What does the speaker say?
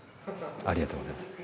ありがとうございます。